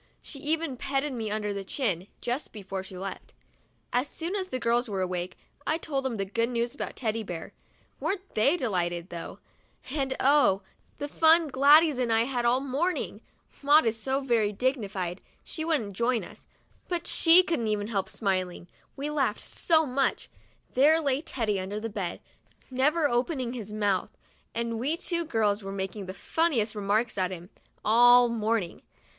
She even petted me under the chin, just before she left. As soon as the girls were awake, I told them the good news about Teddy Bear. Weren't they delighted, though ; and oh ! the fun Gladys and I had all morning ! Maud is so very dignified, she wouldn't join us, but even she couldn't help smiling, we laughed so much. There lay Teddy under the bed, never opening his mouth, and we two girls were making the funniest remarks at him, all morning.